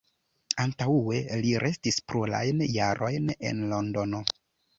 Antaŭe li restis plurajn jarojn en Londono.